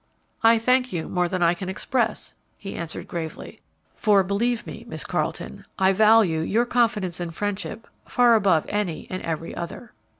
"I thank you more than I can express," he answered, gravely; "for, believe me, Miss Carleton, I value your confidence and friendship far above any and every other."